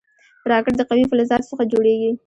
راکټ د قوي فلزاتو څخه جوړېږي